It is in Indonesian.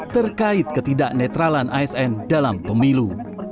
terkait ketidak netralan asn dalam pemilu